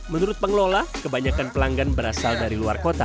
menurut pengelola kebanyakan pelanggan berasal dari luar kota